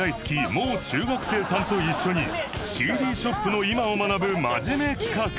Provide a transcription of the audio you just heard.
もう中学生さんと一緒に ＣＤ ショップの今を学ぶ真面目企画